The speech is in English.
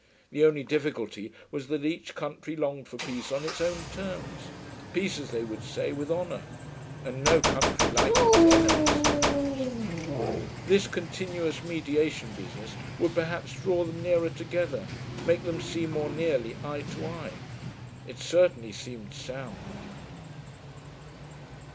The only difficulty was that each country longed for peace on its own terms; peace, as they would say, with honour; and no country liked its enemies' terms. This continuous mediation business would perhaps draw them nearer together, make them see more nearly eye to eye. It certainly seemed sound.